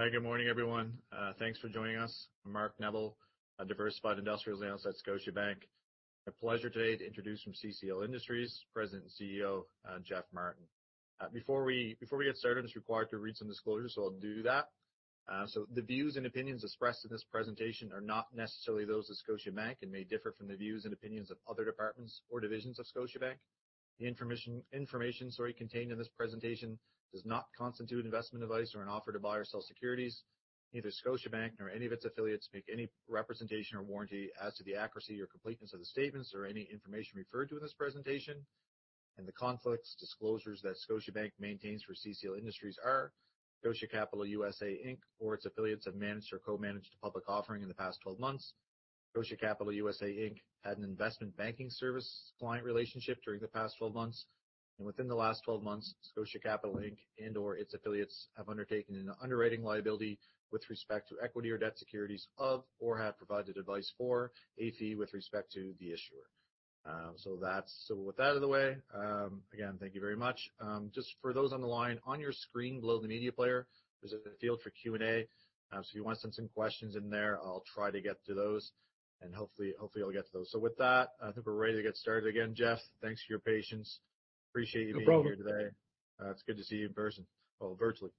Hi, good morning, everyone. Thanks for joining us. I'm Mark Neville, a diversified industrials analyst at Scotiabank. A pleasure today to introduce from CCL Industries, President and CEO, Geoff Martin. Before we get started, it's required to read some disclosures. I'll do that. The views and opinions expressed in this presentation are not necessarily those of Scotiabank and may differ from the views and opinions of other departments or divisions of Scotiabank. The information, sorry, contained in this presentation does not constitute investment advice or an offer to buy or sell securities. Neither Scotiabank nor any of its affiliates make any representation or warranty as to the accuracy or completeness of the statements or any information referred to in this presentation. The conflicts disclosures that Scotiabank maintains for CCL Industries are Scotia Capital (USA) Inc., or its affiliates, have managed or co-managed a public offering in the past 12 months. Scotia Capital (USA) Inc. had an investment banking service client relationship during the past 12 months. Within the last 12 months, Scotia Capital Inc., and/or its affiliates, have undertaken an underwriting liability with respect to equity or debt securities of, or have provided advice for a fee with respect to the issuer. That's. With that out of the way, again, thank you very much. Just for those on the line, on your screen below the media player, there's a field for Q&A. If you want to send some questions in there, I'll try to get to those, and hopefully I'll get to those. With that, I think we're ready to get started again. Geoff, thanks for your patience. Appreciate you. No problem. Thank you for being here today. It's good to see you in person. Well, virtually.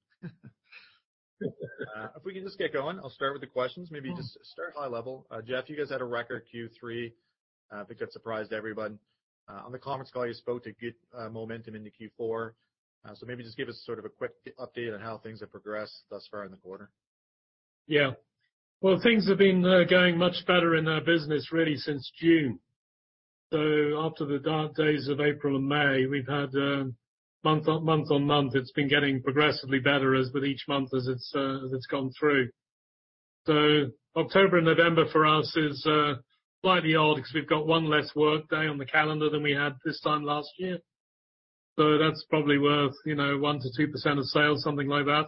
If we can just get going, I'll start with the questions. Maybe just start high level. Geoff, you guys had a record Q3, I think that surprised everyone. On the conference call you spoke to good momentum into Q4. Maybe just give us sort of a quick update on how things have progressed thus far in the quarter. Yeah. Well, things have been going much better in our business really since June. After the dark days of April and May, we've had month-on-month it's been getting progressively better as with each month as it's gone through. October and November for us is slightly odd because we've got one less work day on the calendar than we had this time last year. That's probably worth, you know, 1%-2% of sales, something like that.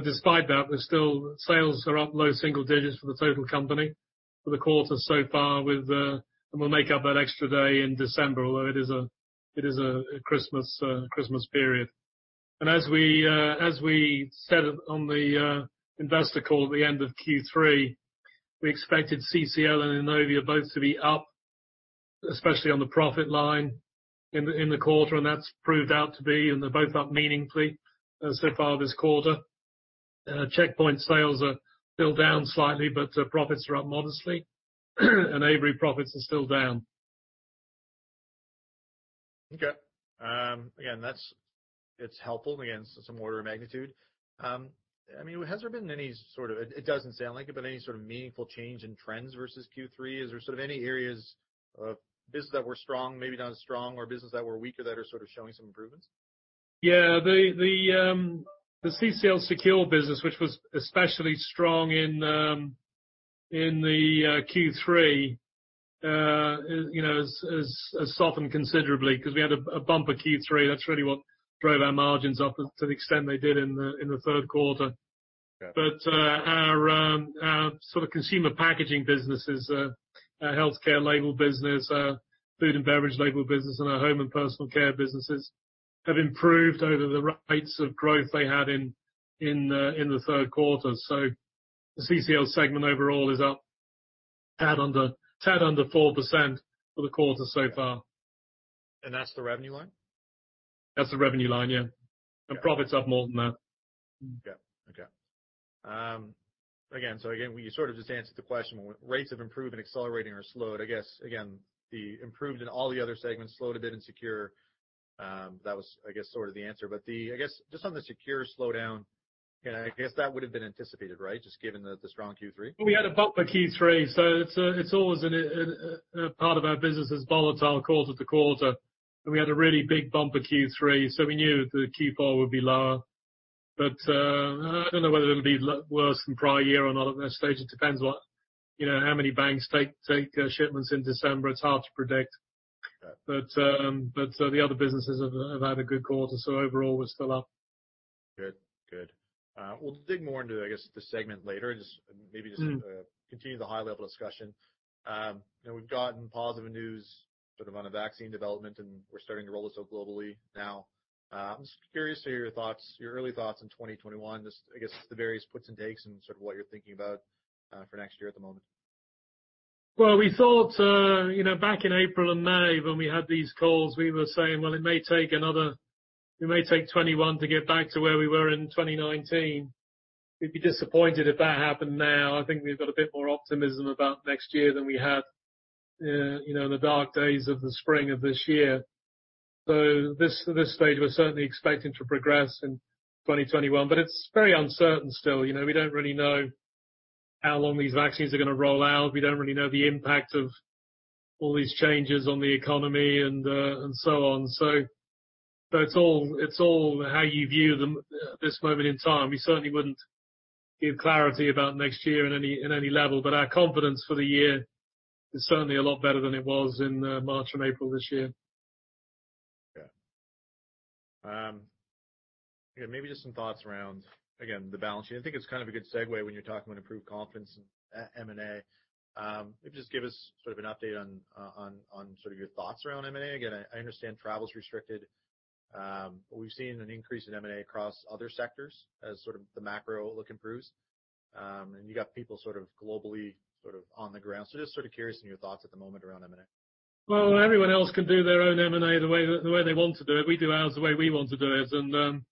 Despite that, our sales are up low single digits for the total company for the quarter so far and we'll make up that extra day in December, although it is a Christmas period. As we said on the investor call at the end of Q3, we expected CCL and Innovia both to be up, especially on the profit line in the quarter, and that's proved out to be, and they're both up meaningfully so far this quarter. Checkpoint sales are still down slightly, but profits are up modestly, and Avery profits are still down. Okay. Again, that's. It's helpful. Again, some order of magnitude. I mean, has there been any sort of, it doesn't sound like it, but any sort of meaningful change in trends versus Q3? Is there sort of any areas of business that were strong, maybe not as strong, or business that were weaker that are sort of showing some improvements? Yeah. The CCL Secure business, which was especially strong in the Q3, you know, has softened considerably because we had a bumper Q3. That's really what drove our margins up to the extent they did in the third quarter. Got it. Our sort of consumer packaging businesses, our healthcare label business, food and beverage label business, and our home and personal care businesses have improved over the rates of growth they had in the third quarter. The CCL segment overall is up a tad under 4% for the quarter so far. That's the revenue line? That's the revenue line, yeah. Got it. Profit's up more than that. Got it. Okay. Again, well, you sort of just answered the question. Growth rates have improved and accelerating or slowed, I guess. Again, they improved in all the other segments slowed a bit in Secure. That was, I guess, sort of the answer. The, I guess, just on the Secure slowdown, and I guess that would have been anticipated, right? Just given the strong Q3. We had a bumper Q3, so it's always a part of our business is volatile quarter to quarter, and we had a really big bumper Q3, so we knew that the Q4 would be lower. I don't know whether it'll be worse than prior year or not at this stage. It depends what, you know, how many banks take shipments in December. It's hard to predict. Got it. The other businesses have had a good quarter, so overall we're still up. Good. We'll dig more into, I guess, the segment later and just maybe. Mm-hmm. Continue the high-level discussion. You know, we've gotten positive news sort of on a vaccine development, and we're starting to roll this out globally now. I'm just curious to hear your thoughts, your early thoughts on 2021. Just, I guess, the various puts and takes and sort of what you're thinking about for next year at the moment. Well, we thought, you know, back in April and May, when we had these calls, we were saying, well, it may take 2021 to get back to where we were in 2019. We'd be disappointed if that happened now. I think we've got a bit more optimism about next year than we had, you know, in the dark days of the spring of this year. At this stage, we're certainly expecting to progress in 2021, but it's very uncertain still. You know, we don't really know how long these vaccines are gonna roll out. We don't really know the impact of all these changes on the economy and so on. It's all how you view them at this moment in time. We certainly wouldn't give clarity about next year in any level, but our confidence for the year is certainly a lot better than it was in March and April this year. Yeah, maybe just some thoughts around, again, the balance sheet. I think it's kind of a good segue when you're talking about improved confidence in M&A. If you could just give us sort of an update on your thoughts around M&A? Again, I understand travel's restricted. We've seen an increase in M&A across other sectors as sort of the macro outlook improves. You got people sort of globally sort of on the ground. Just sort of curious about your thoughts at the moment around M&A. Well, everyone else can do their own M&A the way they want to do it. We do ours the way we want to do it.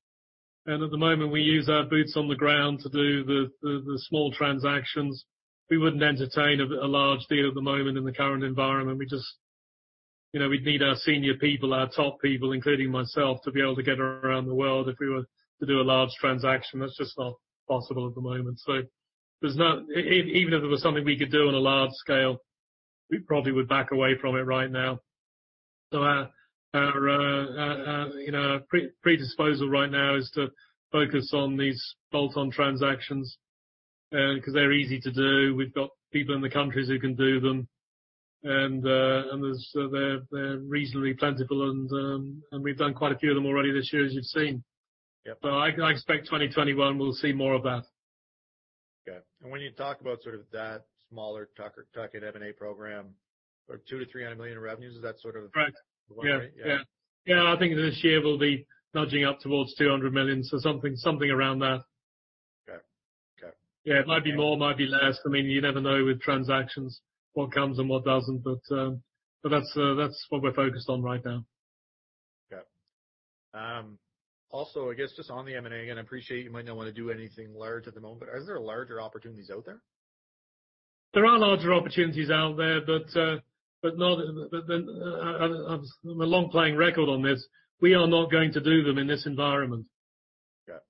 At the moment, we use our boots on the ground to do the small transactions. We wouldn't entertain a large deal at the moment in the current environment. We just, you know, we'd need our senior people, our top people, including myself, to be able to get around the world if we were to do a large transaction. That's just not possible at the moment. There's no, even if it was something we could do on a large scale, we probably would back away from it right now. Our, you know, predisposition right now is to focus on these bolt-on transactions, 'cause they're easy to do. We've got people in the countries who can do them. They're reasonably plentiful and we've done quite a few of them already this year, as you've seen. Yeah. I expect 2021 we'll see more of that. Okay. When you talk about sort of that smaller tuck-in M&A program of 200 million-300 million in revenues, is that sort of? Yeah. I think this year we'll be nudging up towards 200 million, so something around that. Okay. Okay. Yeah. It might be more, it might be less. I mean, you never know with transactions what comes and what doesn't. That's what we're focused on right now. Okay. Also, I guess just on the M&A, again, I appreciate you might not wanna do anything large at the moment, but is there larger opportunities out there? There are larger opportunities out there, but we have a long track record on this. We are not going to do them in this environment. Got it.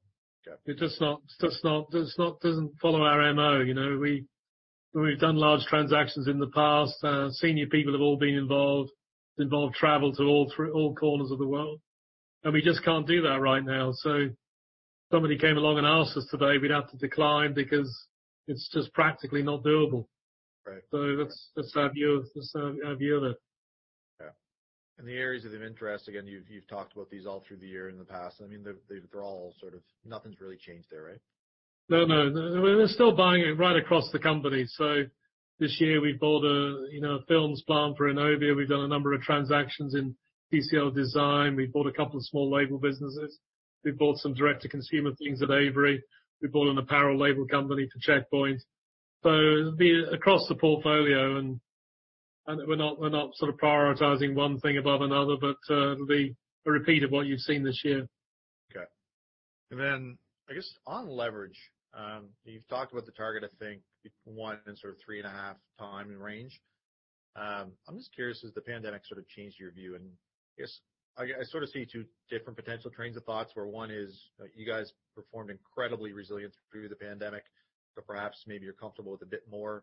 Got it. It's just not. It doesn't follow our MO. You know, we've done large transactions in the past. Senior people have all been involved. It involved travel to all corners of the world. We just can't do that right now. If somebody came along and asked us today, we'd have to decline because it's just practically not doable. Right. That's our view. That's our view of it. Yeah. The areas of interest, again, you've talked about these all through the year in the past. I mean, they're all sort of nothing's really changed there, right? No, no. We're still buying it right across the company. This year we bought a, you know, films brand for Innovia. We've done a number of transactions in CCL Design. We bought a couple of small label businesses. We bought some direct-to-consumer things at Avery. We bought an apparel label company for Checkpoint. It'd be across the portfolio, and we're not sort of prioritizing one thing above another, but it'll be a repeat of what you've seen this year. Okay. I guess on leverage, you've talked about the target, I think, one in sort of 3.5x range. I'm just curious, has the pandemic sort of changed your view? I guess I sort of see two different potential trains of thoughts where one is you guys performed incredibly resilient through the pandemic, so perhaps maybe you're comfortable with a bit more.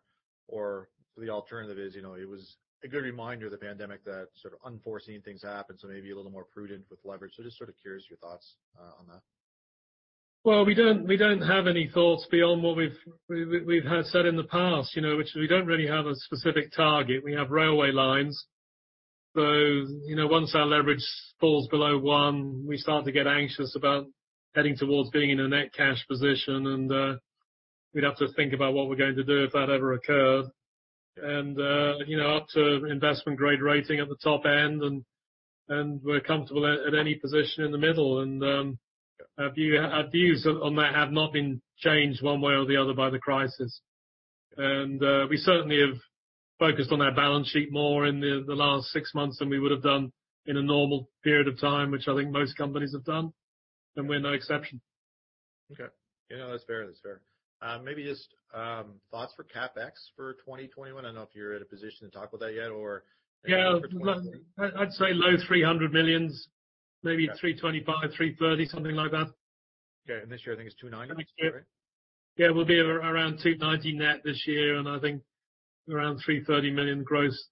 The alternative is, you know, it was a good reminder, the pandemic, that sort of unforeseen things happen, so maybe a little more prudent with leverage. Just sort of curious your thoughts on that. Well, we don't have any thoughts beyond what we've had said in the past, you know, which we don't really have a specific target. We have rail-way lines. You know, once our leverage falls below one, we start to get anxious about heading towards being in a net cash position, and we'd have to think about what we're going to do if that ever occurred. You know, up to investment grade rating at the top end, and we're comfortable at any position in the middle. Our views on that have not been changed one way or the other by the crisis. We certainly have focused on our balance sheet more in the last six months than we would have done in a normal period of time, which I think most companies have done, and we're no exception. Okay. You know, that's fair. Maybe just thoughts for CapEx for 2021. I don't know if you're in a position to talk about that yet or Yeah. I'd say low 300 million, maybe 325 million, 330 million, something like that. Okay. This year, I think it's 290. Yeah. We'll be around 290 net this year, and I think around 330 million gross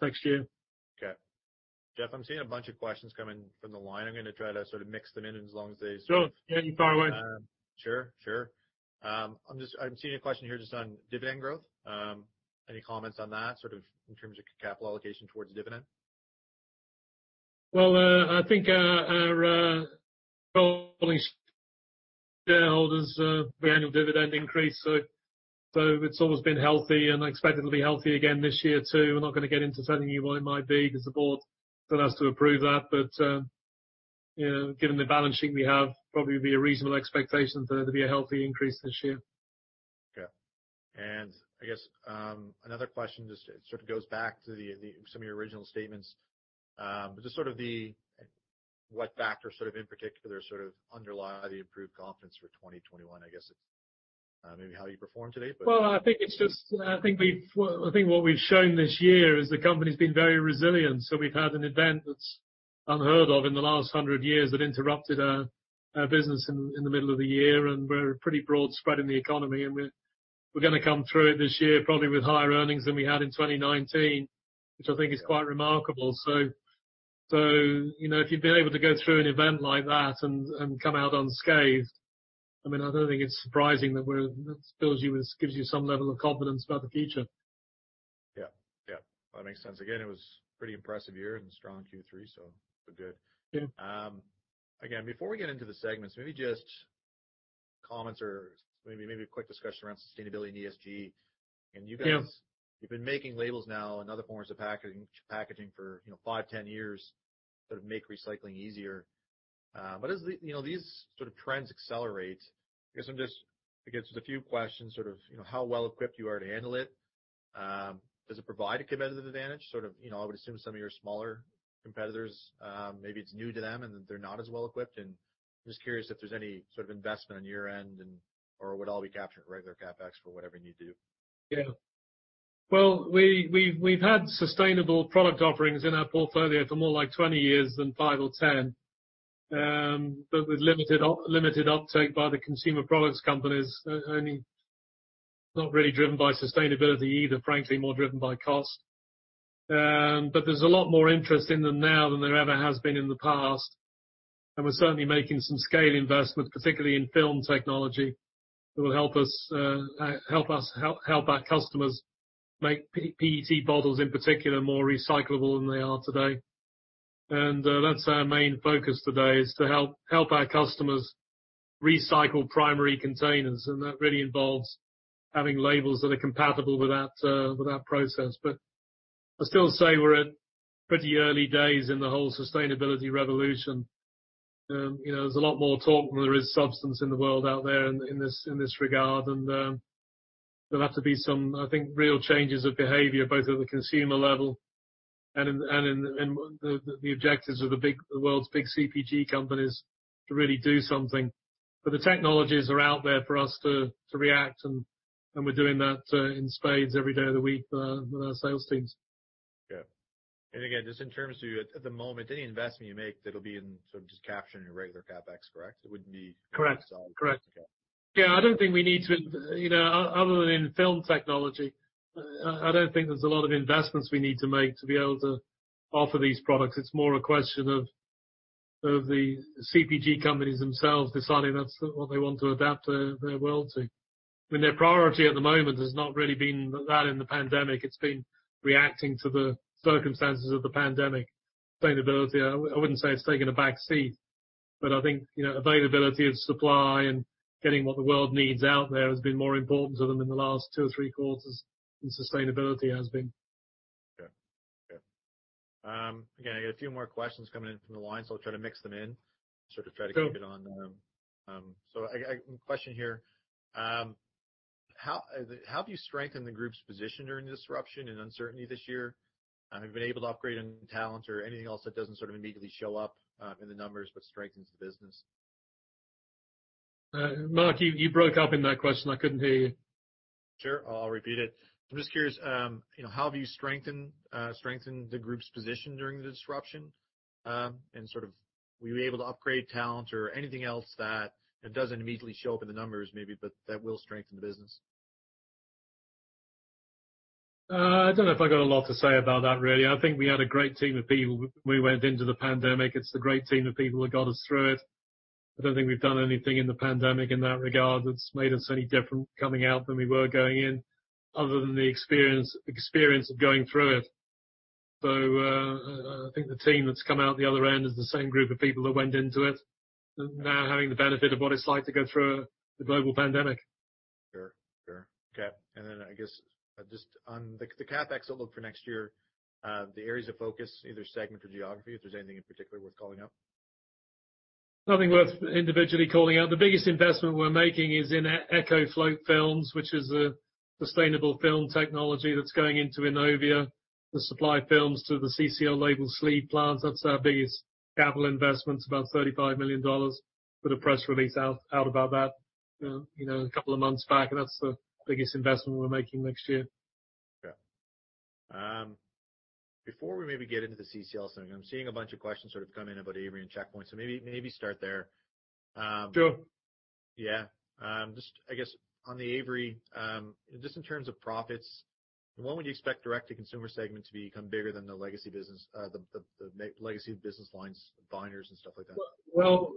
next year. Okay. Geoff, I'm seeing a bunch of questions coming from the line. I'm gonna try to sort of mix them in as long as they- Sure. Yeah, you fire away. Sure. I'm seeing a question here just on dividend growth. Any comments on that, sort of in terms of capital allocation towards dividend? Well, I think our shareholders annual dividend increase, it's always been healthy, and I expect it'll be healthy again this year too. We're not gonna get into telling you what it might be 'cause the board still has to approve that. You know, given the balance sheet we have, probably be a reasonable expectation for there to be a healthy increase this year. Okay. I guess another question just sort of goes back to some of your original statements. But just sort of what factors in particular sort of underlie the improved confidence for 2021, I guess it's maybe how you perform today, but Well, I think what we've shown this year is the company's been very resilient. We've had an event that's unheard of in the last hundred years that interrupted our business in the middle of the year, and we're pretty broad spread in the economy, and we're gonna come through it this year probably with higher earnings than we had in 2019, which I think is quite remarkable. You know, if you've been able to go through an event like that and come out unscathed, I mean, I don't think it's surprising that that gives you some level of confidence about the future. Yeah. Yeah. That makes sense. Again, it was pretty impressive year and strong Q3, so good. Yeah. Again, before we get into the segments, maybe just comments or maybe a quick discussion around sustainability and ESG. Yeah. You guys, you've been making labels now and other forms of packaging for, you know, five, 10 years that make recycling easier. You know, these sort of trends accelerate. I guess a few questions sort of, you know, how well equipped you are to handle it. Does it provide a competitive advantage? Sort of, you know, I would assume some of your smaller competitors, maybe it's new to them, and they're not as well equipped. I'm just curious if there's any sort of investment on your end, or would all be captured in regular CapEx for whatever you need to do. Yeah. Well, we've had sustainable product offerings in our portfolio for more like 20 years than five or 10. But with limited uptake by the consumer products companies, only not really driven by sustainability either, frankly, more driven by cost. But there's a lot more interest in them now than there ever has been in the past, and we're certainly making some scale investments, particularly in film technology, that will help us help our customers make PET bottles, in particular, more recyclable than they are today. That's our main focus today, is to help our customers recycle primary containers, and that really involves having labels that are compatible with that process. I still say we're at pretty early days in the whole sustainability revolution. You know, there's a lot more talk than there is substance in the world out there in this regard. There'll have to be some, I think, real changes of behavior, both at the consumer level and in the objectives of the world's big CPG companies to really do something. The technologies are out there for us to react, and we're doing that in spades every day of the week for our sales teams. Yeah. Again, just in terms of you at the moment, any investment you make that'll be in sort of just capturing your regular CapEx, correct? It wouldn't be. Correct. -solid. Correct. Yeah, I don't think we need to, you know, other than in film technology, I don't think there's a lot of investments we need to make to be able to offer these products. It's more a question of the CPG companies themselves deciding that's what they want to adapt their world to. I mean, their priority at the moment has not really been that in the pandemic. It's been reacting to the circumstances of the pandemic. Sustainability, I wouldn't say it's taken a back seat, but I think, you know, availability of supply and getting what the world needs out there has been more important to them in the last two or three quarters than sustainability has been. Yeah. Yeah. Again, I got a few more questions coming in from the line, so I'll try to mix them in, sort of try to keep it on. So, a question here. How have you strengthened the group's position during the disruption and uncertainty this year? Have you been able to upgrade any talent or anything else that doesn't sort of immediately show up in the numbers, but strengthens the business? Mark, you broke up in that question. I couldn't hear you. Sure. I'll repeat it. I'm just curious, you know, how have you strengthened the group's position during the disruption? Sort of, were you able to upgrade talent or anything else that doesn't immediately show up in the numbers maybe, but that will strengthen the business? I don't know if I got a lot to say about that, really. I think we had a great team of people when we went into the pandemic. It's the great team of people that got us through it. I don't think we've done anything in the pandemic in that regard that's made us any different coming out than we were going in, other than the experience of going through it. I think the team that's come out the other end is the same group of people that went into it, now having the benefit of what it's like to go through a global pandemic. Sure. Okay. I guess just on the CapEx outlook for next year, the areas of focus, either segment or geography, if there's anything in particular worth calling out. Nothing worth individually calling out. The biggest investment we're making is in EcoFloat films, which is a sustainable film technology that's going into Innovia. They supply films to the CCL Label sleeve plants, that's our biggest capital investment, about 35 million dollars. Put a press release out about that, you know, a couple of months back, and that's the biggest investment we're making next year. Yeah. Before we maybe get into the CCL segment, I'm seeing a bunch of questions sort of come in about Avery and Checkpoint, so maybe start there. Sure. Yeah. Just I guess on the Avery, just in terms of profits, when would you expect direct-to-consumer segment to become bigger than the legacy business lines, binders and stuff like that? Well,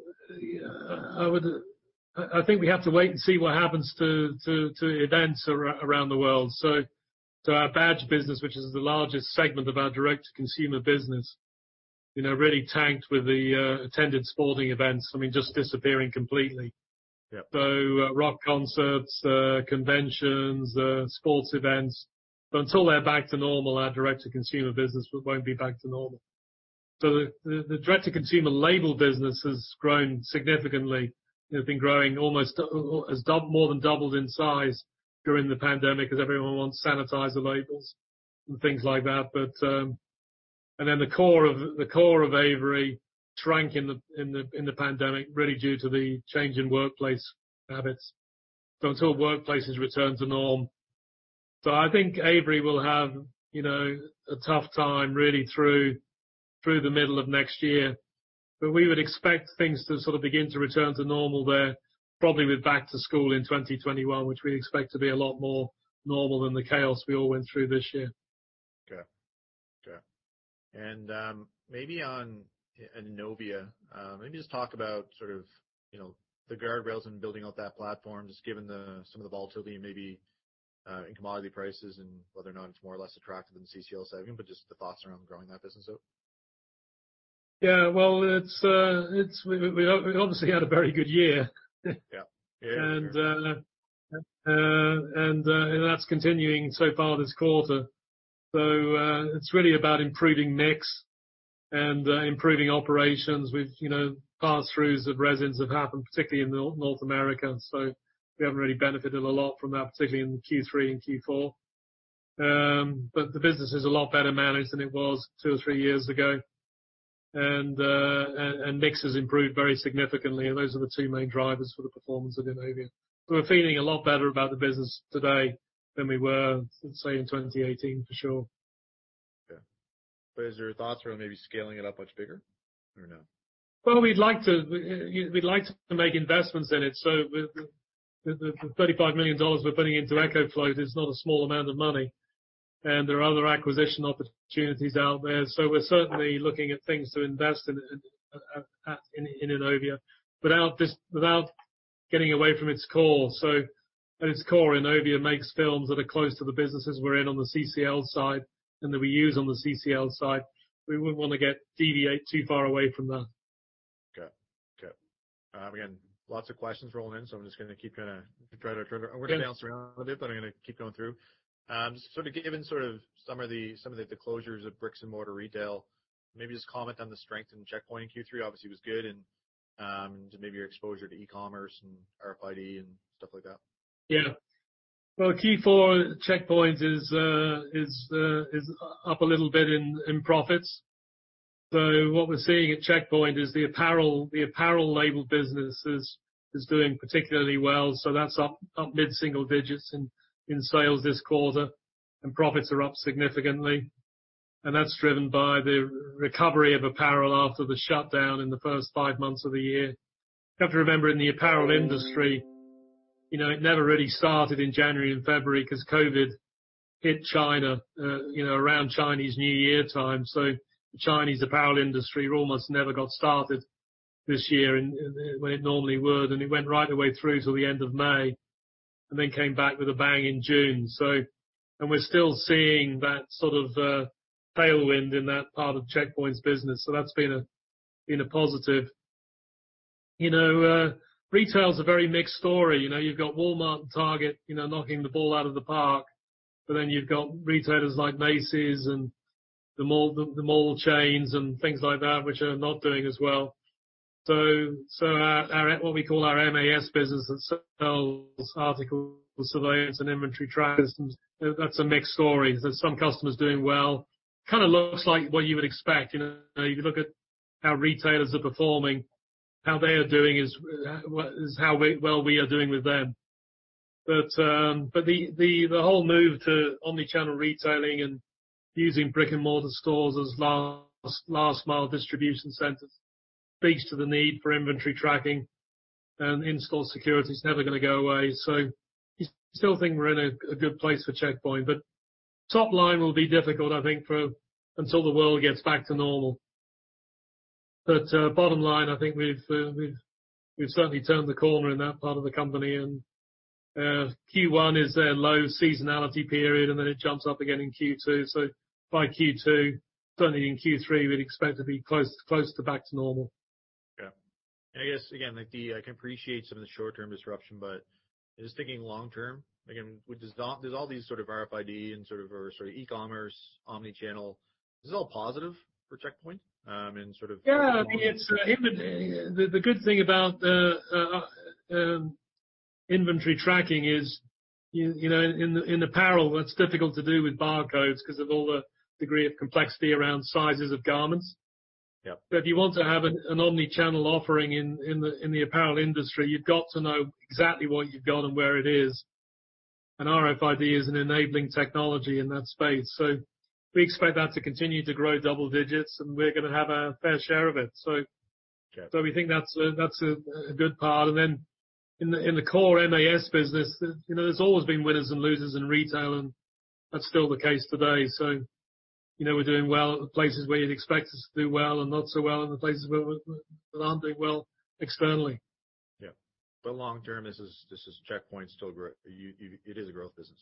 I think we have to wait and see what happens to events around the world. Our badge business, which is the largest segment of our direct-to-consumer business, you know, really tanked with the attended sporting events, I mean, just disappearing completely. Yeah. Rock concerts, conventions, sports events. Until they're back to normal, our direct-to-consumer business won't be back to normal. The direct-to-consumer label business has grown significantly. You know, more than doubled in size during the pandemic 'cause everyone wants sanitizer labels and things like that. The core of Avery shrank in the pandemic, really due to the change in workplace habits until workplaces return to normal. I think Avery will have a tough time really through the middle of next year. We would expect things to sort of begin to return to normal there, probably with back to school in 2021, which we expect to be a lot more normal than the chaos we all went through this year. Okay. Maybe on Innovia, maybe just talk about sort of, you know, the guardrails and building out that platform, just given some of the volatility maybe in commodity prices and whether or not it's more or less attractive than CCL segment, but just the thoughts around growing that business out. Yeah. Well, we obviously had a very good year. Yeah. Yeah. That's continuing so far this quarter. It's really about improving mix and improving operations with, you know, pass-throughs of resins have happened, particularly in North America. We haven't really benefited a lot from that, particularly in Q3 and Q4. The business is a lot better managed than it was two or three years ago. Mix has improved very significantly, and those are the two main drivers for the performance of Innovia. We're feeling a lot better about the business today than we were, let's say, in 2018, for sure. Yeah. Is there thoughts around maybe scaling it up much bigger or no? Well, we'd like to make investments in it, so the 35 million dollars we're putting into EcoFloat is not a small amount of money. There are other acquisition opportunities out there. We're certainly looking at things to invest in in Innovia without getting away from its core. At its core, Innovia makes films that are close to the businesses we're in on the CCL side and that we use on the CCL side. We wouldn't wanna deviate too far away from that. Okay. Again, lots of questions rolling in, so I'm just gonna keep kinda try to trigger. We're gonna bounce around a bit, but I'm gonna keep going through. Just sort of given some of the closures of brick-and-mortar retail, maybe just comment on the strength in Checkpoint in Q3 obviously was good and maybe your exposure to e-commerce and RFID and stuff like that. Yeah. Well, Q4 Checkpoint is up a little bit in profits. What we're seeing at Checkpoint is the apparel label business is doing particularly well. That's up mid-single digits in sales this quarter, and profits are up significantly. That's driven by the recovery of apparel after the shutdown in the first five months of the year. You have to remember in the apparel industry, you know, it never really started in January and February because COVID hit China, you know, around Chinese New Year time. The Chinese apparel industry almost never got started this year and when it normally would, and it went right the way through till the end of May, and then came back with a bang in June. We're still seeing that sort of tailwind in that part of Checkpoint's business. That's been a positive. You know, retail is a very mixed story. You know, you've got Walmart and Target, you know, knocking the ball out of the park, but then you've got retailers like Macy's and the mall chains and things like that, which are not doing as well. Our what we call our MAS business that sells articles, surveillance and inventory tracking systems, that's a mixed story. There's some customers doing well. Kind of looks like what you would expect, you know. You look at how retailers are performing, how they are doing is how we are doing with them. The whole move to omni-channel retailing and using brick-and-mortar stores as last mile distribution centers speaks to the need for inventory tracking. In-store security is never gonna go away. We still think we're in a good place for Checkpoint, but top line will be difficult, I think, until the world gets back to normal. Bottom line, I think we've certainly turned the corner in that part of the company, and Q1 is a low seasonality period, and then it jumps up again in Q2. By Q2, certainly in Q3, we'd expect to be close to back to normal. Yeah. I guess again, like I can appreciate some of the short-term disruption, but just thinking long term, again, with this. There's all these sort of RFID and sort of e-commerce, omni-channel. Is this all positive for Checkpoint, in sort of- Yeah. I mean, it's the good thing about the inventory tracking is, you know, in apparel, it's difficult to do with barcodes 'cause of all the degree of complexity around sizes of garments. Yeah. If you want to have an omni-channel offering in the apparel industry, you've got to know exactly what you've got and where it is. RFID is an enabling technology in that space. We expect that to continue to grow double digits, and we're gonna have our fair share of it. Okay. We think that's a good part. In the core MAS business, you know, there's always been winners and losers in retail, and that's still the case today. You know, we're doing well at the places where you'd expect us to do well and not so well in the places where we're not doing well externally. Yeah. Long term, this is Checkpoint. It is a growth business.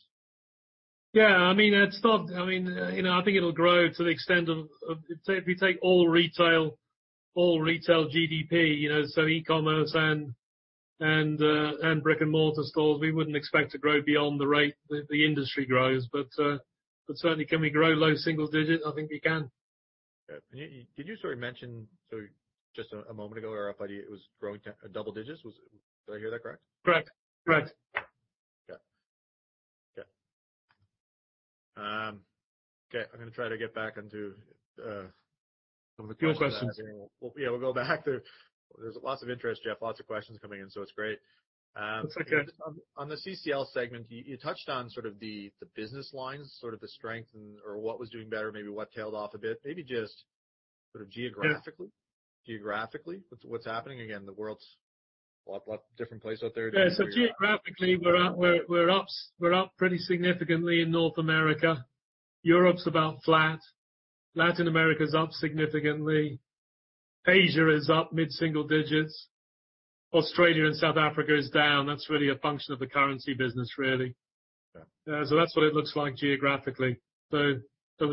Yeah. I mean, you know, I think it'll grow to the extent of. Say, if you take all retail GDP, you know, so e-commerce and brick-and-mortar stores, we wouldn't expect to grow beyond the rate the industry grows. Certainly can we grow low single digits? I think we can. Yeah. Did you sort of mention, sort of just a moment ago, RFID it was growing double digits? Did I hear that correct? Correct. Correct. Yeah. Okay, I'm gonna try to get back into some of the questions. Feel free. There's lots of interest, Geoff. Lots of questions coming in, so it's great. That's okay. On the CCL segment, you touched on sort of the business lines, sort of the strength and/or what was doing better, maybe what tailed off a bit. Maybe just sort of geographically. Yeah. Geographically, what's happening? Again, the world's a lot different place out there. Geographically, we're up pretty significantly in North America. Europe's about flat. Latin America's up significantly. Asia is up mid-single digits. Australia and South Africa is down. That's really a function of the currency business, really. Yeah. That's what it looks like geographically. We're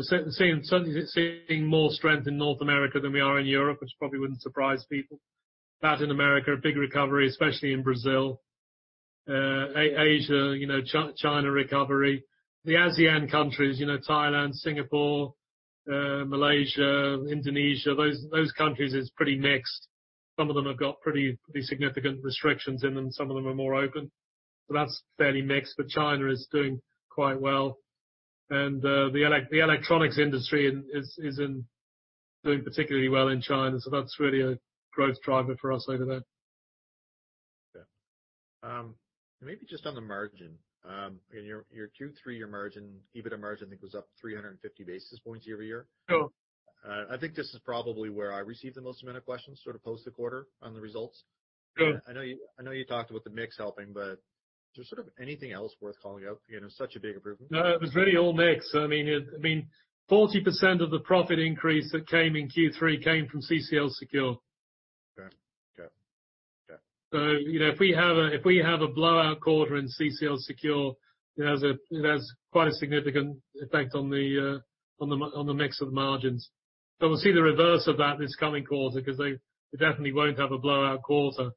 certainly seeing more strength in North America than we are in Europe, which probably wouldn't surprise people. Latin America, a big recovery, especially in Brazil. Asia, you know, China recovery. The ASEAN countries, you know, Thailand, Singapore, Malaysia, Indonesia, those countries is pretty mixed. Some of them have got pretty significant restrictions in them, some of them are more open. That's fairly mixed. China is doing quite well. The electronics industry is doing particularly well in China, so that's really a growth driver for us over there. Yeah. Maybe just on the margin. In your Q3, your EBITDA margin, I think, was up 350 basis points year-over-year. Sure. I think this is probably where I received the most amount of questions, sort of, post the quarter on the results. Sure. I know you talked about the mix helping, but is there sort of anything else worth calling out? You know, such a big improvement. No, it was really all mix. I mean, 40% of the profit increase that came in Q3 came from CCL Secure. Okay. Okay. Yeah. You know, if we have a blowout quarter in CCL Secure, it has quite a significant effect on the mix of margins. We'll see the reverse of that this coming quarter 'cause they definitely won't have a blowout quarter.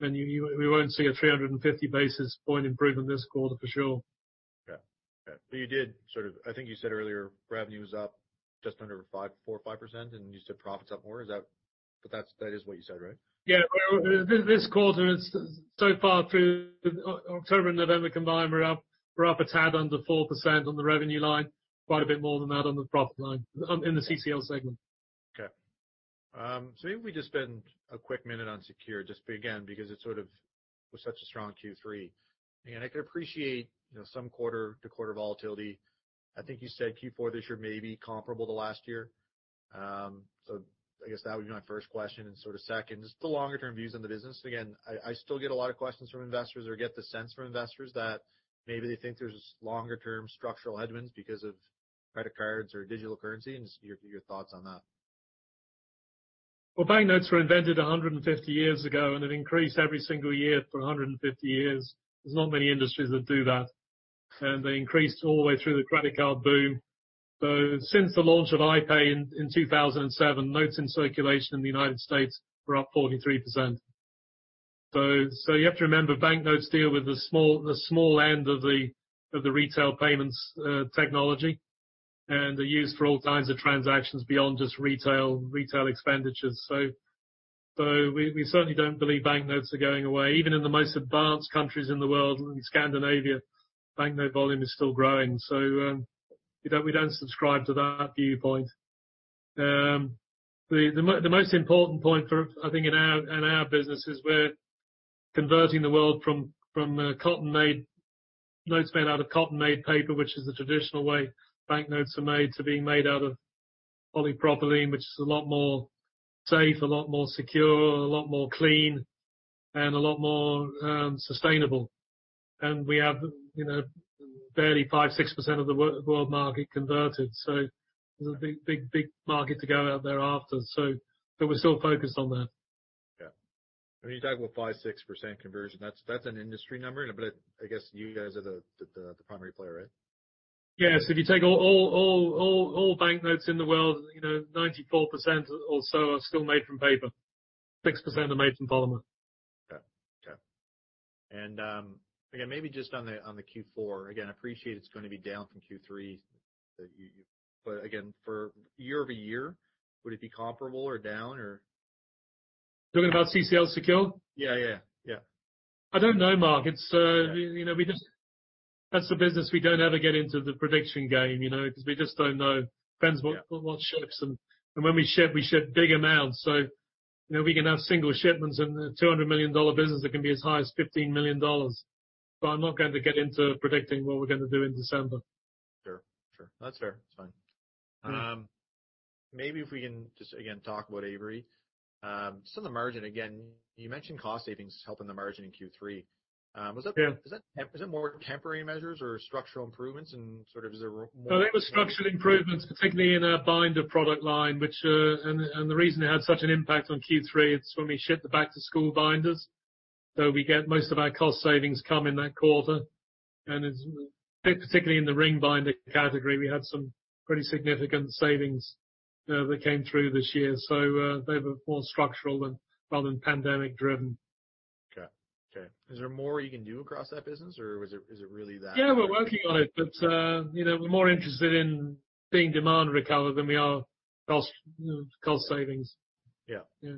We won't see a 350 basis point improvement this quarter for sure. Yeah. Yeah. You did sort of I think you said earlier revenue's up just under 4% or 5%, and you said profit's up more. That's, that is what you said, right? Well, this quarter is so far through October and November combined, we're up a tad under 4% on the revenue line. Quite a bit more than that on the profit line in the CCL segment. Okay. Maybe if we just spend a quick minute on Secure, just again, because it sort of was such a strong Q3. I could appreciate, you know, some quarter-to-quarter volatility. I think you said Q4 this year may be comparable to last year. I guess that would be my first question. Sort of second, just the longer-term views on the business. Again, I still get a lot of questions from investors or get the sense from investors that maybe they think there's longer-term structural headwinds because of credit cards or digital currency, and just your thoughts on that. Well, banknotes were invented 150 years ago, and they've increased every single year for 150 years. There's not many industries that do that. They increased all the way through the credit card boom. Since the launch of Apple Pay in 2007, notes in circulation in the United States were up 43%. You have to remember, banknotes deal with the small end of the retail payments technology. They're used for all kinds of transactions beyond just retail expenditures. We certainly don't believe banknotes are going away. Even in the most advanced countries in the world, in Scandinavia, banknote volume is still growing. We don't subscribe to that viewpoint. The most important point, I think, in our business is we're converting the world from notes made out of cotton-made paper, which is the traditional way banknotes are made, to being made out of polypropylene, which is a lot more safe, a lot more secure, a lot more clean, and a lot more sustainable. We have, you know, barely 5%-6% of the world market converted. There's a big market to go out there after. We're still focused on that. Yeah. When you talk about 5%-6% conversion, that's an industry number, but I guess you guys are the primary player, right? Yes. If you take all banknotes in the world, you know, 94% or so are still made from paper. 6% are made from polymer. Okay. Again, maybe just on the Q4. Again, I appreciate it's gonna be down from Q3, but again, for year-over-year, would it be comparable or down or? Talking about CCL Secure? Yeah. I don't know, Mark. It's you know we just. That's the business we don't ever get into the prediction game, you know? 'Cause we just don't know. Depends what ships. When we ship, we ship big amounts. You know, we can have single shipments in a 200 million dollar business that can be as high as 15 million dollars. I'm not going to get into predicting what we're gonna do in December. Sure. That's fair. It's fine. Maybe if we can just again talk about Avery. Just on the margin, again, you mentioned cost savings helping the margin in Q3. Was that- Yeah. Is it more temporary measures or structural improvements, and sort of, is there more- No, it was structural improvements, particularly in our binder product line. The reason it had such an impact on Q3, it's when we shipped the back-to-school binders. We get most of our cost savings come in that quarter. It's particularly in the ring binder category we had some pretty significant savings that came through this year. They were more structural rather than pandemic driven. Okay. Is there more you can do across that business or is it really that- Yeah, we're working on it, but, you know, we're more interested in seeing demand recover than we are cost, you know, cost savings. Yeah. Yeah.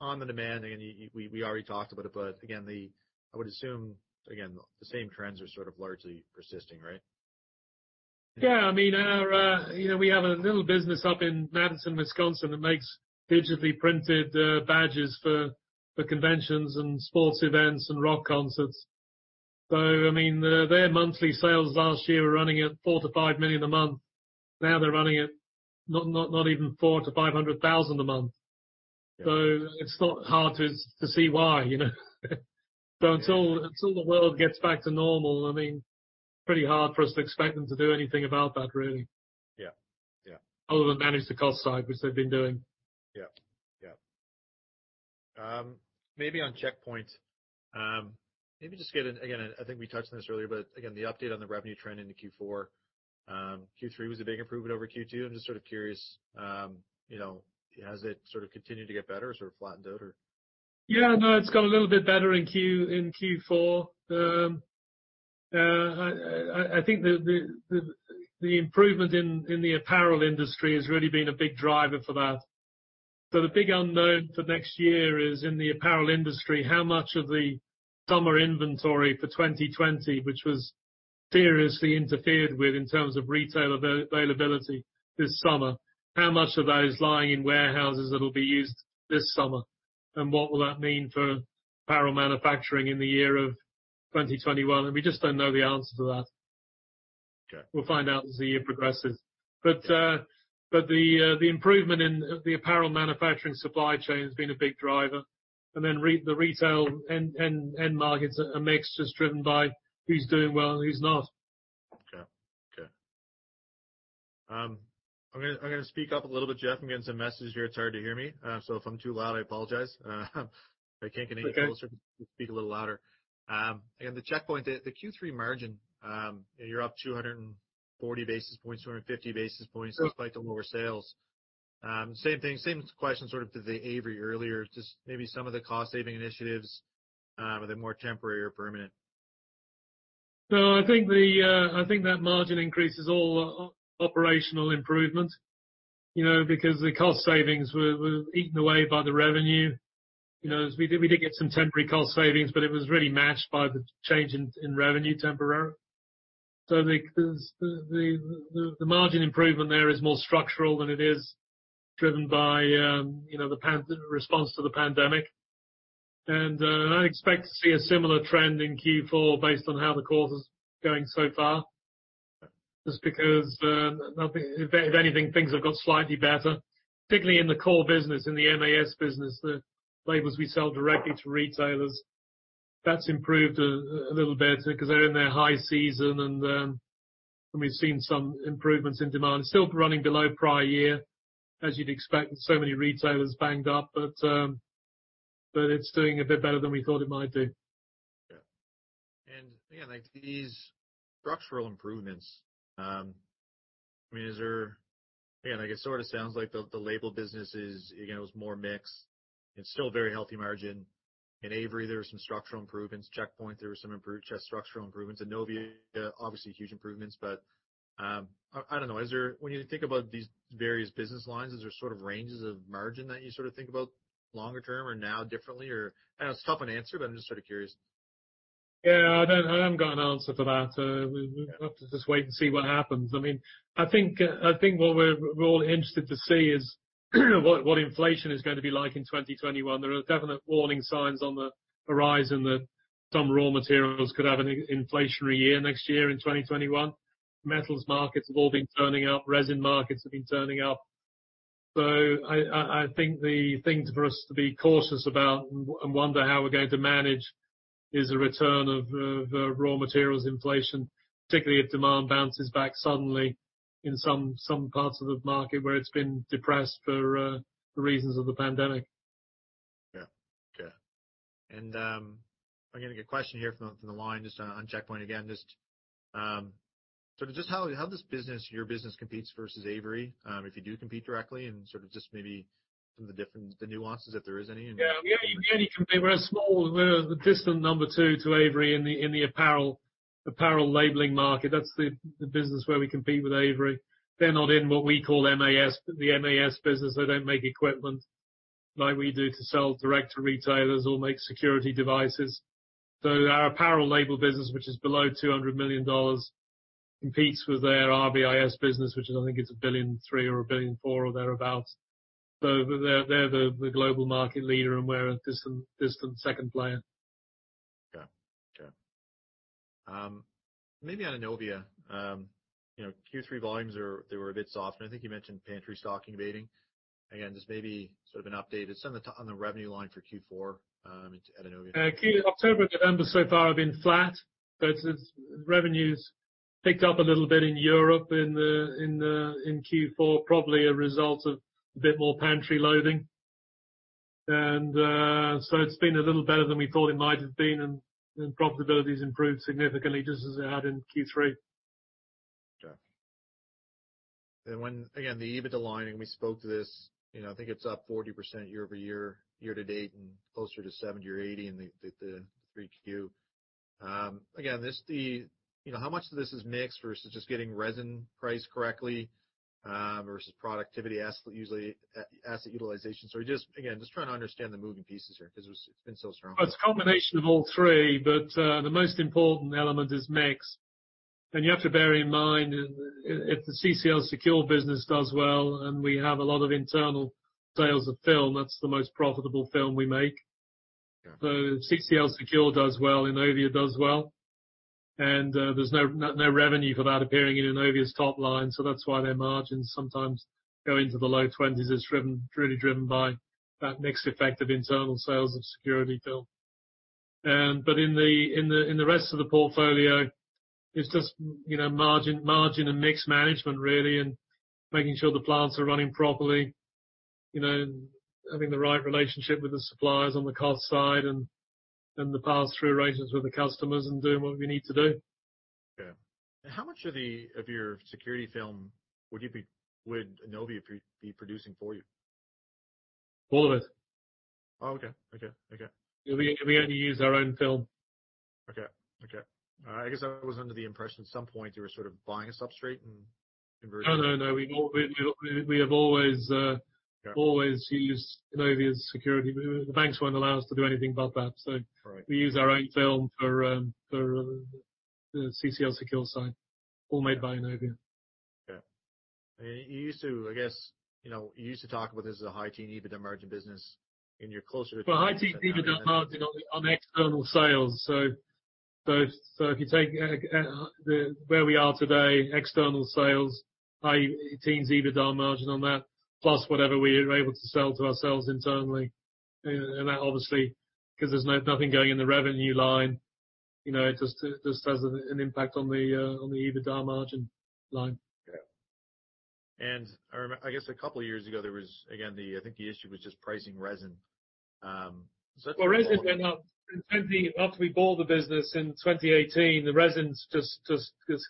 On the demand, again, we already talked about it, but again, I would assume the same trends are sort of largely persisting, right? Yeah. I mean, our you know, we have a little business up in Madison, Wisconsin, that makes digitally printed badges for conventions and sports events and rock concerts. I mean, their monthly sales last year were running at 4 million-5 million a month. Now they're running at not even 400,000-500,000 a month. It's not hard to see why, you know. Until the world gets back to normal, I mean, pretty hard for us to expect them to do anything about that, really. Yeah. Yeah. Other than manage the cost side, which they've been doing. Yeah. Maybe on Checkpoint, maybe just get in again. I think we touched on this earlier, but again, the update on the revenue trend into Q4. Q3 was a big improvement over Q2. I'm just sort of curious, you know, has it sort of continued to get better or sort of flattened out or? Yeah, no, it's got a little bit better in Q4. I think the improvement in the apparel industry has really been a big driver for that. The big unknown for next year is in the apparel industry, how much of the summer inventory for 2020, which was seriously interfered with in terms of retail availability this summer, how much of that is lying in warehouses that'll be used this summer? What will that mean for apparel manufacturing in the year of 2021? We just don't know the answer to that. Okay. We'll find out as the year progresses. The improvement in the apparel manufacturing supply chain has been a big driver. The retail end markets are mixed, just driven by who's doing well and who's not. Okay. I'm gonna speak up a little bit, Geoff. I'm getting some messages here. It's hard to hear me. If I'm too loud, I apologize. If I can't get any closer. Okay. Speak a little louder. Again, the Checkpoint, the Q3 margin, you're up 240-250 basis points. Yep. Despite the lower sales. Same thing, same question sort of to the Avery earlier, just maybe some of the cost saving initiatives, are they more temporary or permanent? No, I think that margin increase is all operational improvement, you know, because the cost savings were eaten away by the revenue. You know, we did get some temporary cost savings, but it was really matched by the change in revenue temporarily. The margin improvement there is more structural than it is driven by, you know, the pandemic response. I expect to see a similar trend in Q4 based on how the quarter's going so far, just because nothing. If anything, things have got slightly better, particularly in the core business, in the MAS business, the labels we sell directly to retailers. That's improved a little bit because they're in their high season, and we've seen some improvements in demand. Still running below prior year, as you'd expect with so many retailers banged up. It's doing a bit better than we thought it might do. Yeah. Again, like these structural improvements, I mean, is there again, like it sort of sounds like the label business is, it was more mixed and still very healthy margin. In Avery, there are some structural improvements. Checkpoint, there were some improved structural improvements. Innovia, obviously, huge improvements. I don't know, is there when you think about these various business lines, is there sort of ranges of margin that you sort of think about longer term or now differently or. I know it's a tough one to answer, but I'm just sort of curious. Yeah, I haven't got an answer for that. We've got to just wait and see what happens. I mean, I think what we're all interested to see is what inflation is gonna be like in 2021. There are definite warning signs on the horizon that some raw materials could have an inflationary year next year in 2021. Metals markets have all been turning up, resin markets have been turning up. I think the things for us to be cautious about and wonder how we're going to manage is a return of raw materials inflation, particularly if demand bounces back suddenly in some parts of the market where it's been depressed for reasons of the pandemic. Yeah. Okay. I'm getting a question here from the line just on Checkpoint again, just sort of just how this business, your business competes versus Avery, if you do compete directly and sort of just maybe some of the different, the nuances, if there is any, and- Yeah, we only compete. We're the distant number two to Avery in the apparel labeling market. That's the business where we compete with Avery. They're not in what we call MAS, the MAS business. They don't make equipment like we do to sell direct to retailers or make security devices. Our apparel label business, which is below 200 million dollars, competes with their RBIS business, which is, I think, 1.3 billion or 1.4 billion or thereabout. They're the global market leader, and we're a distant second player. Okay, maybe on Innovia, you know, Q3 volumes were a bit soft, and I think you mentioned pantry stocking abating. Again, just maybe sort of an update on some of the revenue line for Q4 at Innovia. October and November so far have been flat. Since revenue's picked up a little bit in Europe in the Q4, probably a result of a bit more pantry loading. It's been a little better than we thought it might have been, and profitability's improved significantly, just as it had in Q3. Okay. Again, the EBITDA line, and we spoke to this, you know, I think it's up 40% year-over-year year to date, and closer to 70% or 80% in the Q3. Again, you know, how much of this is mix versus just getting resin priced correctly versus productivity, asset utilization? We just, again, just trying to understand the moving pieces here because it's been so strong. It's a combination of all three, but the most important element is mix. You have to bear in mind if the CCL Secure business does well and we have a lot of internal sales of film, that's the most profitable film we make. Yeah. If CCL Secure does well, Innovia does well. There's no revenue for that appearing in Innovia's top line, so that's why their margins sometimes go into the low 20s%. It's driven by that mixed effect of internal sales of security film. But in the rest of the portfolio, it's just, you know, margin and mix management, really, and making sure the plants are running properly. You know, having the right relationship with the suppliers on the cost side and the pass-through arrangements with the customers and doing what we need to do. Okay. How much of your security film would Innovia be producing for you? All of it. Oh, okay. We only use our own film. Okay. All right. I guess I was under the impression at some point you were sort of buying a substrate and converting. No, no. We have always. Okay. Always used Innovia's security. The banks won't allow us to do anything about that. Right. We use our own film for the CCL Secure side, all made by Innovia. Okay. You used to, I guess, you know, you used to talk about this as a high-teen EBITDA margin business, and you're closer to- Well, high-teens EBITDA margin on external sales. If you take where we are today, external sales, high-teens EBITDA margin on that, plus whatever we are able to sell to ourselves internally. That obviously, 'cause there's nothing going in the revenue line, you know, it just has an impact on the EBITDA margin line. I guess a couple of years ago, there was, again, I think the issue was just pricing resin. Is that- Well, resin went up. After we bought the business in 2018, the resins just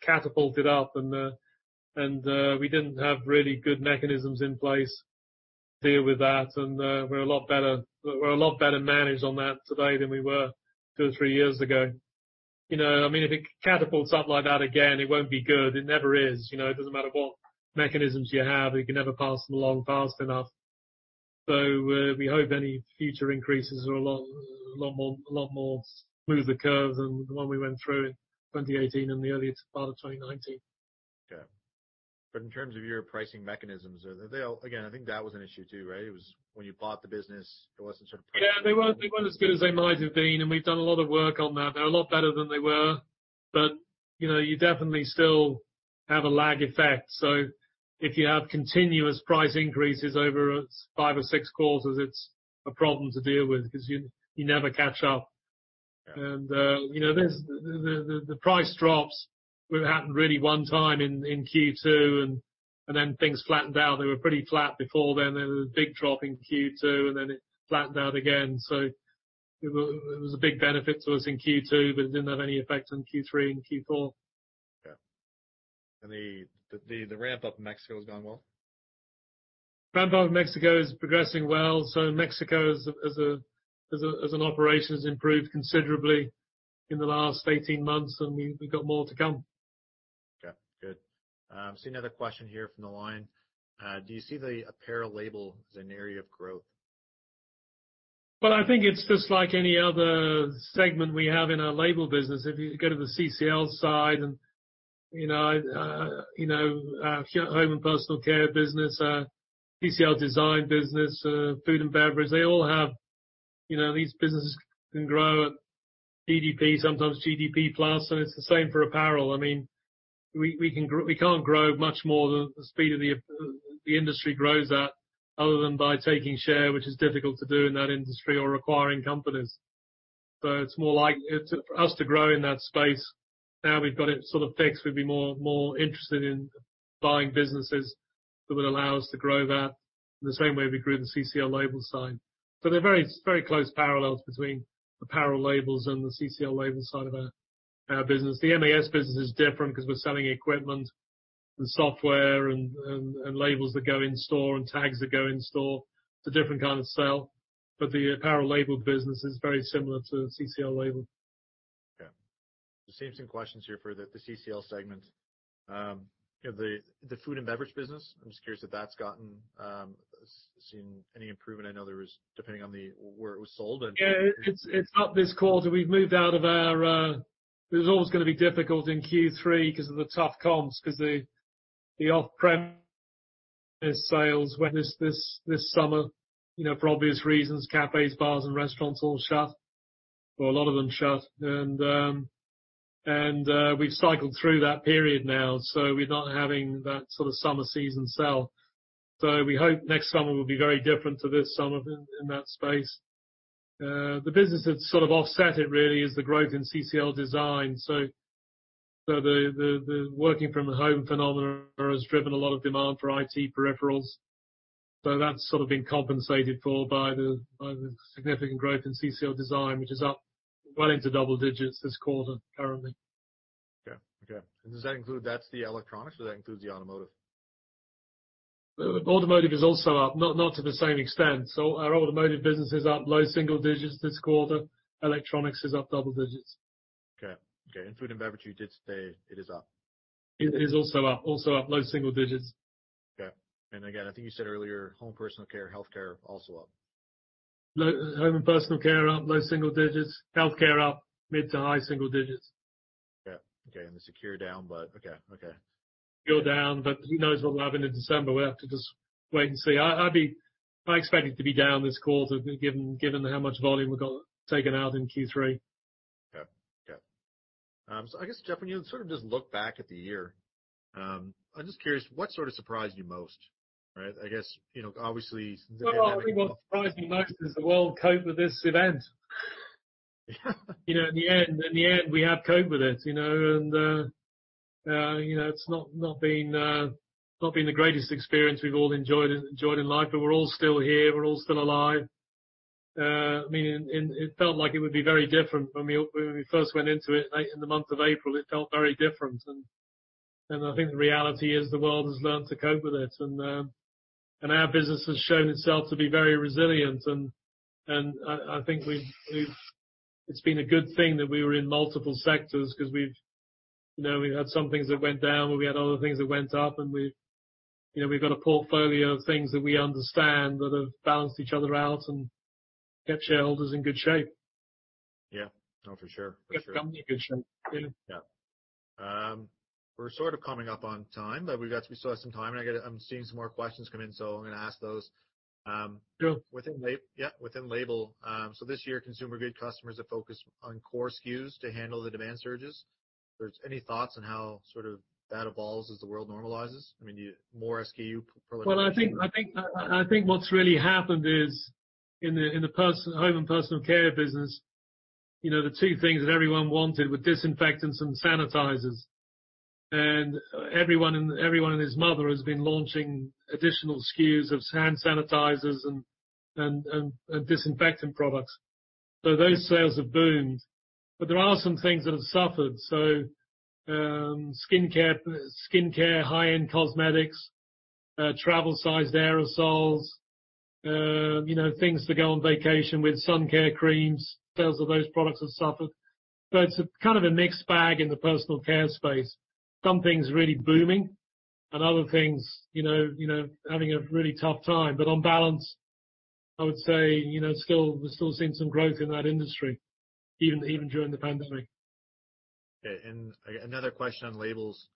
catapulted up, and we didn't have really good mechanisms in place to deal with that. We're a lot better managed on that today than we were two or three years ago. You know, I mean, if it catapults up like that again, it won't be good. It never is, you know. It doesn't matter what mechanisms you have, you can never pass them along fast enough. We hope any future increases are a lot more smoother curve than the one we went through in 2018 and the earliest part of 2019. Okay. In terms of your pricing mechanisms, are they? Again, I think that was an issue, too, right? It was when you bought the business, there wasn't certain price- Yeah, they weren't as good as they might have been, and we've done a lot of work on that. They're a lot better than they were, but, you know, you definitely still have a lag effect. If you have continuous price increases over five or six quarters, it's a problem to deal with 'cause you never catch up. Yeah. You know, there's the price drops we've had really happened one time in Q2, and then things flattened out. They were pretty flat before then. Then there was a big drop in Q2, and then it flattened out again. It was a big benefit to us in Q2, but it didn't have any effect on Q3 and Q4. Okay. The ramp up in Mexico is going well? Ramp up in Mexico is progressing well. Mexico as an operation has improved considerably in the last 18 months, and we got more to come. Okay, good. See another question here from the line. Do you see the apparel label as an area of growth? Well, I think it's just like any other segment we have in our label business. If you go to the CCL side and, you know, you know, our home and personal care business, our CCL Design business, food and beverage, they all have. You know, these businesses can grow at GDP, sometimes GDP plus, and it's the same for apparel. I mean, we can't grow much more than the speed of the industry grows at, other than by taking share, which is difficult to do in that industry or acquiring companies. It's more like for us to grow in that space, now we've got it sort of fixed, we'd be more interested in buying businesses that would allow us to grow that in the same way we grew the CCL Label side. They're very, very close parallels between apparel labels and the CCL Label side of our business. The MAS business is different 'cause we're selling equipment and software and labels that go in store and tags that go in store. It's a different kind of sell, but the apparel label business is very similar to CCL Label. Okay. The same thing. Questions here for the CCL segment. You know, the food and beverage business. I'm just curious if that's seen any improvement. I know there was depending on where it was sold and Yeah. It's up this quarter. It was always gonna be difficult in Q3 'cause of the tough comps, 'cause the off-premise sales were this summer, you know, for obvious reasons, cafes, bars, and restaurants all shut, or a lot of them shut. We've cycled through that period now, so we're not having that sort of summer season sell. We hope next summer will be very different to this summer in that space. The business that sort of offset it really is the growth in CCL Design. The working from home phenomena has driven a lot of demand for IT peripherals. That's sort of been compensated for by the significant growth in CCL Design, which is up well into double digits this quarter currently. Okay. That's the electronics or that includes the automotive? Automotive is also up, not to the same extent. Our automotive business is up low single digits this quarter. Electronics is up double digits. Okay. Food and beverage, you did say it is up. It is also up low single digit. Okay. Again, I think you said earlier, home personal care, healthcare also up. Home and personal care are up low-single-digits. Healthcare up mid- to high-single-digits%. Okay. The Secure down, but okay. We're down, but who knows what will happen in December. We'll have to just wait and see. I expect it to be down this quarter given how much volume we've got taken out in Q3. Okay. Yeah. I guess, Geoff, when you sort of just look back at the year, I'm just curious, what sort of surprised you most? Right? I guess, you know, obviously- Well, I think what surprised me most is the world cope with this event. You know, in the end, we have coped with it, you know, and you know, it's not been the greatest experience we've all enjoyed in life, but we're all still here, we're all still alive. I mean, it felt like it would be very different when we first went into it in the month of April, it felt very different. I think the reality is the world has learned to cope with it. Our business has shown itself to be very resilient. I think it's been a good thing that we were in multiple sectors 'cause we've, you know, we had some things that went down, and we had other things that went up, and we, you know, we've got a portfolio of things that we understand that have balanced each other out and kept shareholders in good shape. Yeah. Oh, for sure. For sure. Kept the company in good shape, really. Yeah. We're sort of coming up on time, but we still have some time, and I'm seeing some more questions come in, so I'm gonna ask those. Sure. Yeah, within label. This year, consumer goods customers have focused on core SKUs to handle the demand surges. Are there any thoughts on how that sort of evolves as the world normalizes? I mean, you more SKU proliferation. Well, I think what's really happened is in the home and personal care business, you know, the two things that everyone wanted were disinfectants and sanitizers. Everyone and his mother has been launching additional SKUs of hand sanitizers and disinfectant products. Those sales have boomed. There are some things that have suffered. Skincare, high-end cosmetics, travel-sized aerosols, you know, things to go on vacation with, sun care creams. Sales of those products have suffered. It's kind of a mixed bag in the personal care space. Some things really booming and other things, you know, having a really tough time. On balance, I would say, you know, still, we're still seeing some growth in that industry, even during the pandemic. Okay. Another question on labels.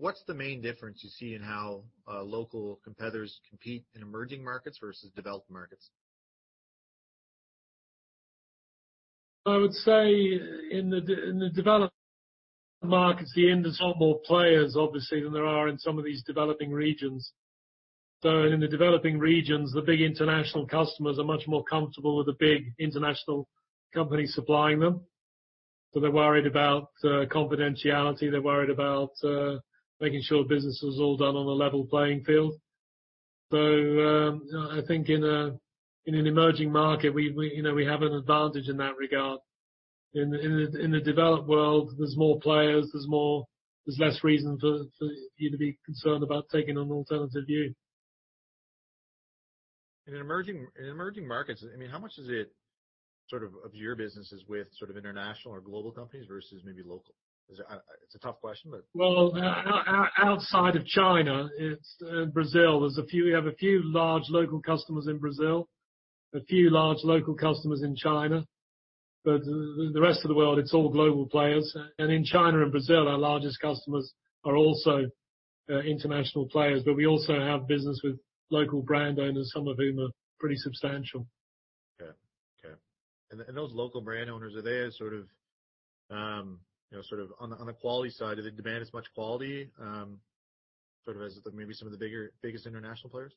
What's the main difference you see in how local competitors compete in emerging markets versus developed markets? I would say in the developed markets, there's a lot more players, obviously, than there are in some of these developing regions. In the developing regions, the big international customers are much more comfortable with the big international company supplying them. They're worried about confidentiality, they're worried about making sure business is all done on a level playing field. I think in an emerging market, we you know we have an advantage in that regard. In the developed world, there's more players. There's less reason for you to be concerned about taking an alternative view. In emerging markets, I mean, how much is it sort of your businesses with sort of international or global companies versus maybe local? It's a tough question, but. Well, outside of China, it's Brazil. We have a few large local customers in Brazil, a few large local customers in China. The rest of the world, it's all global players. In China and Brazil, our largest customers are also international players. We also have business with local brand owners, some of whom are pretty substantial. Okay. Those local brand owners, are they a sort of, you know, sort of on the quality side? Do they demand as much quality, sort of as maybe some of the bigger, biggest international players?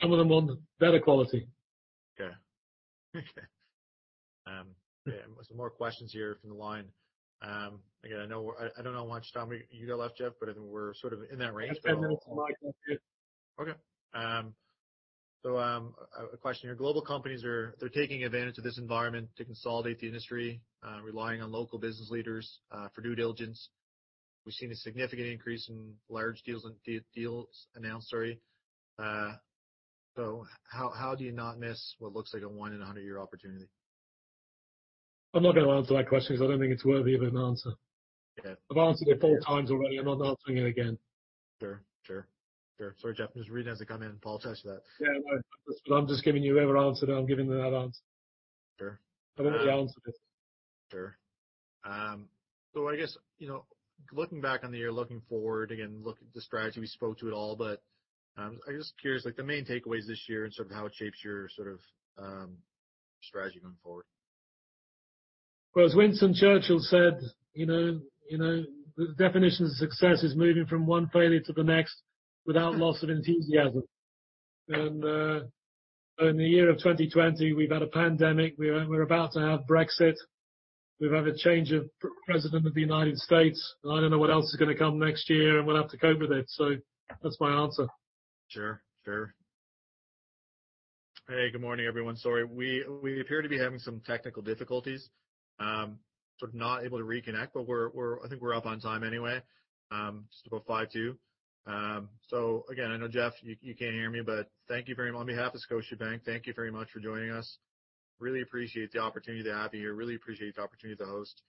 Some of them want better quality. Okay. Some more questions here from the line. Again, I know I don't know how much time you got left, Geoff, but I think we're sort of in that range. 10 minutes, Mark. That's it. A question here. Global companies are taking advantage of this environment to consolidate the industry, relying on local business leaders for due diligence. We've seen a significant increase in large deals and deals announced. Sorry. How do you not miss what looks like a one-in-a-hundred-year opportunity? I'm not gonna answer that question because I don't think it's worthy of an answer. Okay. I've answered it 4x already. I'm not answering it again. Sure. Sorry, Geoff, just reading as they come in. Apologize for that. Yeah, no. I'm just giving you every answer that I'm giving to that answer. Sure. I don't know the answer to it. Sure. I guess, you know, looking back on the year, looking forward, again, look at the strategy, we spoke to it all, but, I'm just curious, like the main takeaways this year and sort of how it shapes your sort of, strategy going forward. Well, as Winston Churchill said, you know, "The definition of success is moving from one failure to the next without loss of enthusiasm." In the year of 2020, we've had a pandemic. We're about to have Brexit. We've had a change of president of the United States. I don't know what else is gonna come next year, and we'll have to cope with it. That's my answer. Sure. Hey, good morning, everyone. Sorry. We appear to be having some technical difficulties. Sort of not able to reconnect, but I think we're up on time anyway, just about 5 to. So again, I know, Geoff, you can't hear me, but thank you very much. On behalf of Scotiabank, thank you very much for joining us. Really appreciate the opportunity to have you here. Really appreciate the opportunity to host.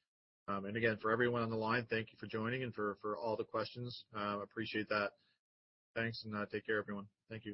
And again, for everyone on the line, thank you for joining and for all the questions. Appreciate that. Thanks, and take care, everyone. Thank you.